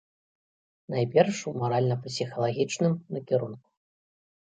Найперш, у маральна-псіхалагічным накірунку.